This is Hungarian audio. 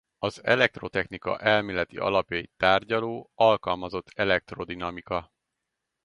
Az elektrotechnika elméleti alapjait tárgyaló alkalmazott elektrodinamika.